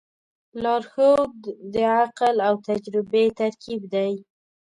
لارښود د عقل او تجربې ترکیب دی.